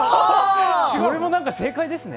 それも何か正解ですね。